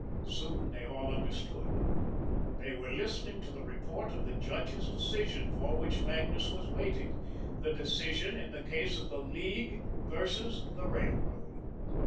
Soon they all understood. They were listening to the report of the judge's decision, for which Magnus was waiting the decision in the case of the League vs. the Railroad.